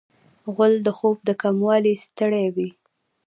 غول د خوب د کموالي ستړی وي.